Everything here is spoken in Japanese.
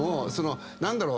何だろう。